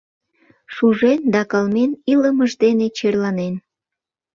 — Шужен да кылмен илымыж дене черланен!”